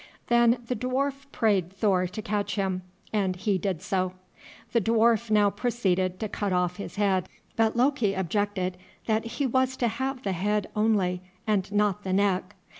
Then the dwarf prayed Thor to catch him, and he did so. The dwarf now proceeded to cut off his head, but Loki objected that he was to have the head only, and not the neck.